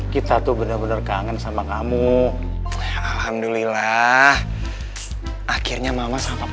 kita tuh bener bener kangen sama kamu alhamdulillah akhirnya mama sama